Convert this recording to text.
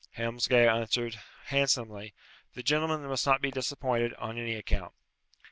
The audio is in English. Helmsgail answered, handsomely, "The gentlemen must not be disappointed, on any account."